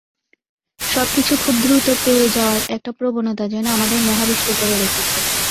সবকিছু খুব দ্রুত পেয়ে যাওয়ার একটা প্রবণতা যেন আমাদের মোহাবিষ্ট করে রেখেছে।